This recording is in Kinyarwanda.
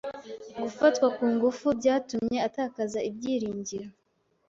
Gufatwa kungufu byatumye atakaza ibyiringiro